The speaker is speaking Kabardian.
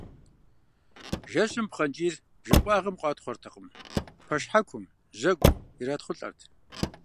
Жэщым пхъэнкӀийр бжэкъуагъым къуатхъуэртэкъым пэшхьэкум, жьэгум иратхъулӀэрт.